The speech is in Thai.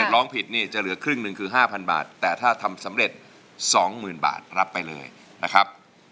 เลยนะครับพร้อมนะเอาละครับมาดูกันเลยนะครับเพลงที่๓นะครับ